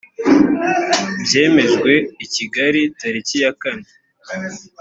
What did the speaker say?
byemejwe i kigali tariki ya kane